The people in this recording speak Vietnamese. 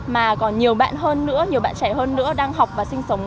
mà còn nhiều bạn hơn nữa nhiều bạn trẻ hơn nữa đang học và sinh sống